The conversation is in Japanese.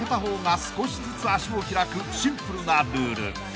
［シンプルなルール］